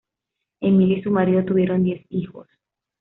Emilia y su marido tuvieron diez hijos.